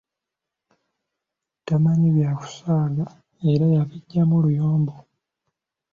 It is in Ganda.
Tamanyi byakusaaga era yabiggyamu luyombo.